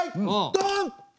ドン！